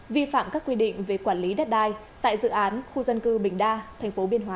vi phạm các quy định về quản lý đất đai tại dự án khu dân cư bình đa thành phố biên hòa